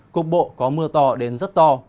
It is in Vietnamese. cục bộ có mưa to đến rất to